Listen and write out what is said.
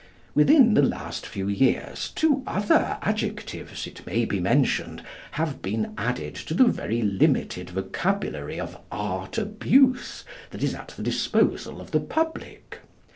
Within the last few years two other adjectives, it may be mentioned, have been added to the very limited vocabulary of art abuse that is at the disposal of the public.